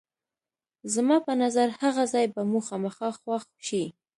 زما په نظر هغه ځای به مو خامخا خوښ شي.